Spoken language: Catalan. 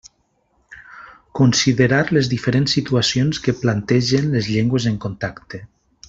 Considerar les diferents situacions que plantegen les llengües en contacte.